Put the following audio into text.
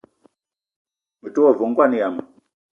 Me te wa ve ngoan yama.